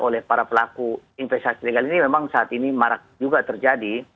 oleh para pelaku investasi legal ini memang saat ini marak juga terjadi